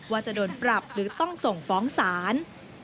ว่าจะโดนปรับหรือต้องส่งฟ้องศาล